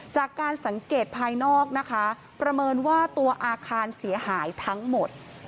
จากการสังเกตภายนอกนะคะประเมินว่าตัวอาคารเสียหายทั้งหมด